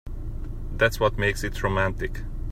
That's what makes it romantic.